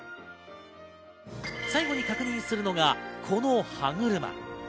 最後に確認するのがこの歯車。